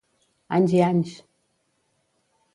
Anys i anys!